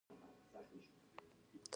پرون په ویړه خوله له کوره راوتلی زلمی